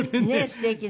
すてきな。